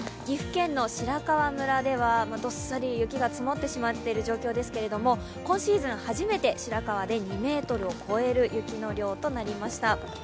岐阜県の白川村ではどっさり雪が積もってしまっている状況ですけど、今シーズン初めて白川で２ｍを超える雪の量となりました。